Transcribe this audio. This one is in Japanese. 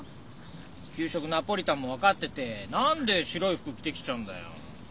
きゅう食ナポリタンも分かってて何で白いふくきてきちゃうんだよ？